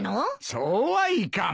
そうはいかん。